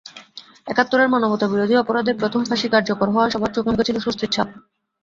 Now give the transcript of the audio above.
একাত্তরের মানবতাবিরোধী অপরাধের প্রথম ফাঁসি কার্যকর হওয়ায় সবার চোখেমুখে ছিল স্বস্তির ছাপ।